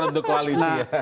untuk koalisi ya